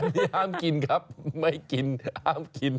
อันนี้ห้ามกินครับไม่กินห้ามกิน